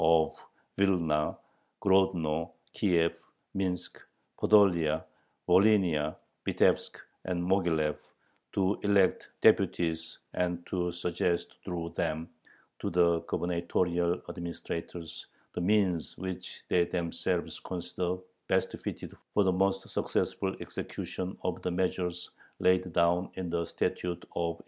of Vilna, Grodno, Kiev, Minsk, Podolia, Volhynia, Vitebsk, and Moghilev, to elect deputies and to suggest, through them, to the gubernatorial administrators the means which they themselves consider best fitted for the most successful execution of the measures laid down in the Statute of 1804.